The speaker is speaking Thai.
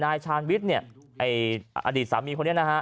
นายชาวิทเนี่ยไออดีตสามีคนนี้นะฮะ